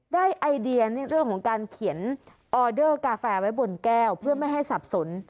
ไอเดียเรื่องของการเขียนออเดอร์กาแฟไว้บนแก้วเพื่อไม่ให้สับสน